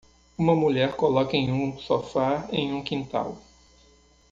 Uma mulher coloca em um sofá em um quintal.